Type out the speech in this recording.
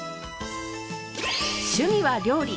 趣味は料理。